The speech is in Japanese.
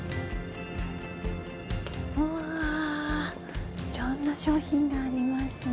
うわいろんな商品がありますね。